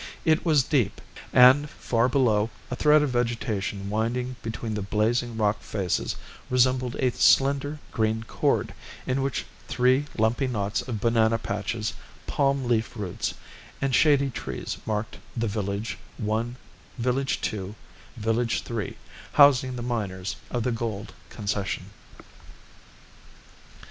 It was deep; and, far below, a thread of vegetation winding between the blazing rock faces resembled a slender green cord, in which three lumpy knots of banana patches, palm leaf roots, and shady trees marked the Village One, Village Two, Village Three, housing the miners of the Gould Concession.